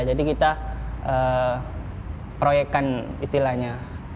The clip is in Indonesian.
jadi kita proyekan istilahnya